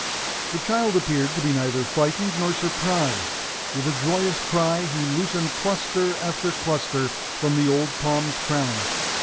The child appeared to be neither frightened nor surprised; with a joyous cry he loosened cluster after cluster from the old palm's crown.